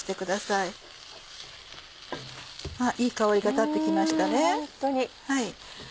いい香りが立って来ましたね。